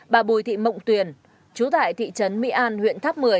bà bùi thị mộng tuyền chú tại thị trấn mỹ an huyện tháp một mươi